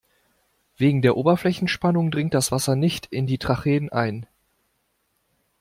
Wegen der Oberflächenspannung dringt das Wasser nicht in die Tracheen ein.